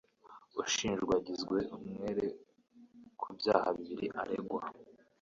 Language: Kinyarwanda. Ushinjwa yagizwe umwere ku byaha bibiri aregwa.